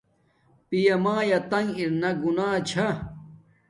پیامایا تنگ ارانا گناہ چھا